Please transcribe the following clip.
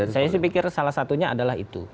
saya sih pikir salah satunya adalah itu